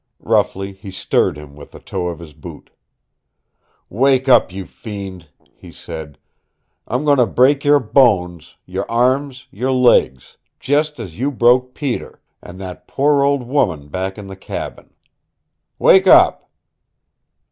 Roughly he stirred him with the toe of his boot. "Wake up, you fiend," he said. "I'm going to break your bones, your arms, your legs, just as you broke Peter and that poor old woman back in the cabin. Wake up!"